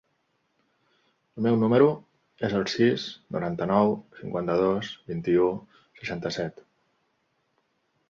El meu número es el sis, noranta-nou, cinquanta-dos, vint-i-u, seixanta-set.